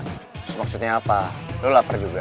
terus maksudnya apa lo lapar juga